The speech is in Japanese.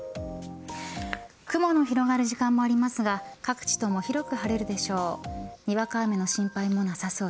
雲の広がる時間もありますが各地とも広く晴れるでしょう。